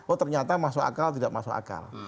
oh ternyata masuk akal tidak masuk akal